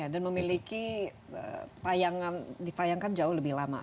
dan memiliki dipayangkan jauh lebih lama